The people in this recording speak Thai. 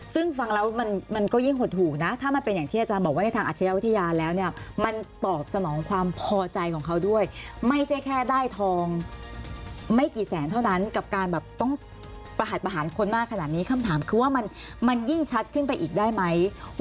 ซึ่งฟังแล้วมันก็ยิ่งหดหู่นะถ้ามันเป็นอย่างที่อาจารย์บอกว่าในทางอาชญาวิทยาแล้วเนี่ย